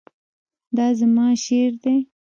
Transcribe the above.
دا زما شعر دی